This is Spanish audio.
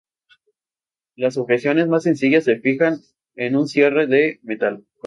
Las sujeciones más sencillas se fijan con un cierre de metal colado.